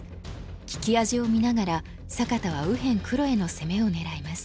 利き味を見ながら坂田は右辺黒への攻めを狙います。